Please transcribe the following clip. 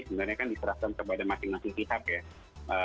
sebenarnya kan diserahkan kepada masing masing pihak ya